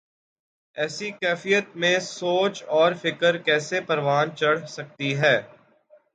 ایسی کیفیت میں سوچ اور فکر کیسے پروان چڑھ سکتی ہے۔